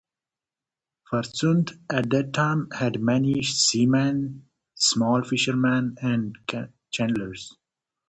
Farsund at that time had many seamen, small fishermen and chandlers.